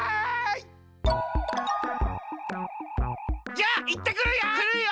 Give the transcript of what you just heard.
じゃあいってくるよ！